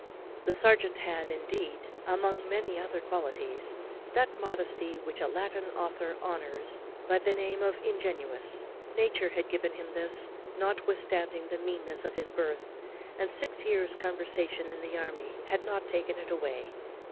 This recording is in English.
The serjeant had, indeed, among many other qualities, that modesty which a Latin author honours by the name of ingenuous: nature had given him this, notwithstanding the meanness of his birth; and six years' conversation in the army had not taken it away.